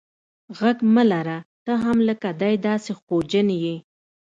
ږغ مه لره ته هم لکه دی داسي خوجن یې.